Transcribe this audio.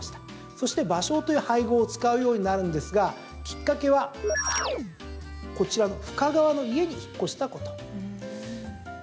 そして、芭蕉という俳号を使うようになるのですがきっかけは深川の家に引っ越したこと。